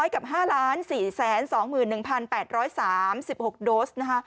๑๐๐กับ๕๔๒๑๘๓๖โดส